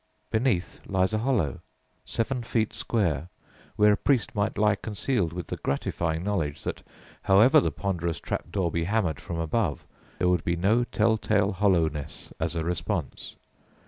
Beneath lies a hollow, seven feet square, where a priest might lie concealed with the gratifying knowledge that, however the ponderous trap door be hammered from above, there would be no tell tale hollowness as a response.